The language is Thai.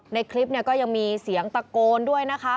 ในคลิปเนี่ยก็ยังมีเสียงตะโกนด้วยนะคะ